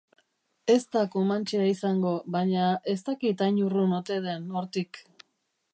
Ez da komantxea izango, baina ez dakit hain urrun ote den hortik.